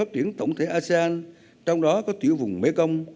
tổng thể asean trong đó có tiểu vùng mekong